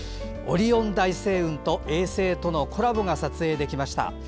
オリオン大星雲と衛星とのコラボが撮影できました。